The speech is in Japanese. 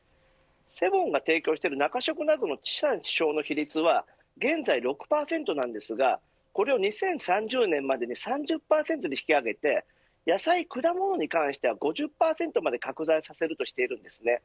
セブンが提供している中食などの地産地消の比率は現在６％なんですがこれを２０３０年までに３０％に引き上げて野菜、果物に関しては５０％まで拡大させるとしているんですね。